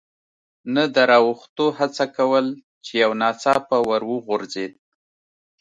نه د را اوښتو هڅه کول، چې یو ناڅاپه ور وغورځېد.